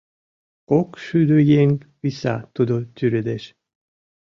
Кок шӱдӧ еҥ виса тудо тӱредеш.